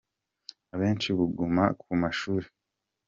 Abenshi bugama ku mashuri.